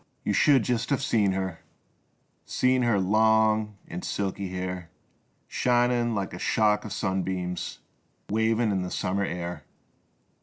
You should just have seen her, Seen her long and silky hair Shinin' like a shock o' sunbeams Wavin' in the summer air